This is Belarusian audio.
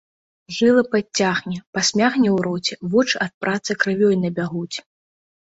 Жылы падцягне, пасмягне ў роце, вочы ад працы крывёй набягуць.